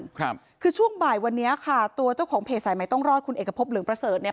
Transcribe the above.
ครับคือช่วงบ่ายวันนี้ค่ะตัวเจ้าของเพจสายใหม่ต้องรอดคุณเอกพบเหลืองประเสริฐเนี่ย